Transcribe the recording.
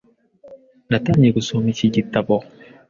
Natangiye gusoma iki gitabo.